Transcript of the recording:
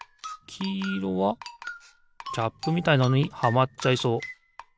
きいろはキャップみたいなのにはまっちゃいそう。